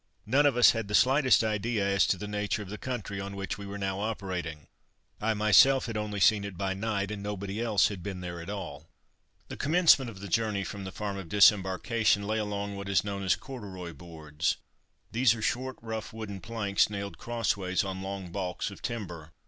None of us had the slightest idea as to the nature of the country on which we were now operating. I myself had only seen it by night, and nobody else had been there at all. The commencement of the journey from the farm of disembarkation lay along what is known as corduroy boards. These are short, rough, wooden planks, nailed crossways on long baulks of timber.